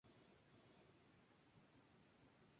En los años siguientes mostró mayor rebeldía.